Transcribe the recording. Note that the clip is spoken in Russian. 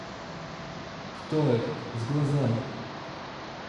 — Кто этот, с глазами?